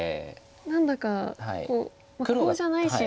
何だかコウじゃないしっていう。